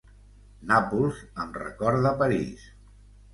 Nàpols em recorda París.